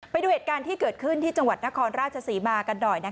ไปดูเหตุการณ์ที่เกิดขึ้นที่จังหวัดนครราชศรีมากันหน่อย